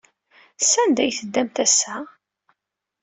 Sanda ay teddamt ass-a?